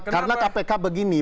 karena kpk begini